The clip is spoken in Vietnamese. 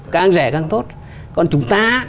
càng rẻ càng tốt còn chúng ta